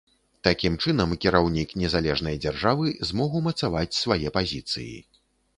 Такім чынам, кіраўнік незалежнай дзяржавы змог умацаваць свае пазіцыі.